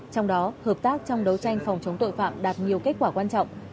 trong đó hợp tác trong đấu tranh phòng chống tội phạm đạt nhiều kết quả quan trọng